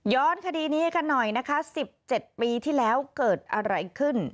ย้อนคดีนี้ให้กันหน่อยสิบเจ็ดปีที่แล้วเกิดอะไรขึ้น